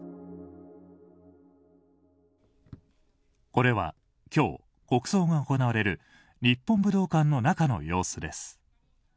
これは今日、国葬が行われる日本武道館の中の様子です。